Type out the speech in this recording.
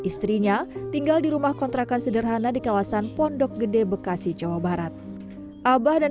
istrinya tinggal di rumah kontrakan sederhana di kawasan pondok gede bekasi jawa barat abah dan